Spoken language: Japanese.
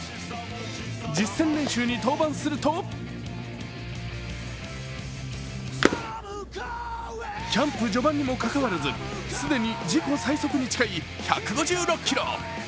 実践練習に登板するとキャンプ序盤にもかかわらず、既に自己最速に近い１６０キロ。